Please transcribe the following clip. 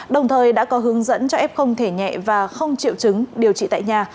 đồng thời đã có hướng dẫn cho f không thể nhẹ và không triệu chứng điều trị tại nhà